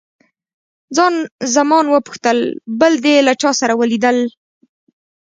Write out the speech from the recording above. خان زمان وپوښتل، بل دې له چا سره ولیدل؟